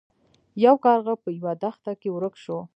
یو کارغه په یوه دښته کې ورک شو.